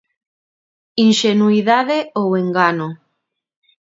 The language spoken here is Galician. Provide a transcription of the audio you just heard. Inxenuidade ou engano.